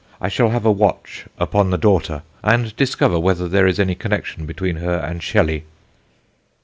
I shall have a watch upon the daughter and discover whether there is any Connection between her and Shelley."